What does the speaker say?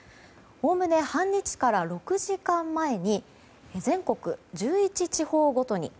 おおむね半日から６時間前に全国１１地方ごとに。